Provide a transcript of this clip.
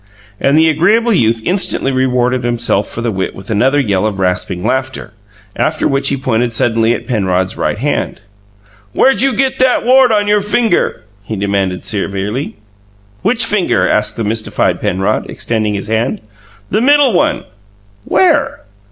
And the agreeable youth instantly rewarded himself for the wit with another yell of rasping laughter, after which he pointed suddenly at Penrod's right hand. "Where'd you get that wart on your finger?" he demanded severely. "Which finger?" asked the mystified Penrod, extending his hand. "The middle one." "Where?"